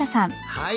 はい。